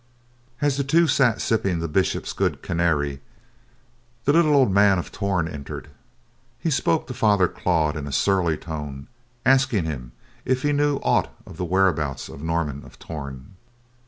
As the two sat sipping the Bishop's good Canary, the little old man of Torn entered. He spoke to Father Claude in a surly tone, asking him if he knew aught of the whereabouts of Norman of Torn.